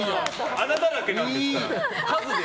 穴だらけなんですから。